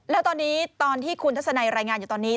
แล้วตอนนี้ตอนที่คุณทัศนัยรายงานอยู่ตอนนี้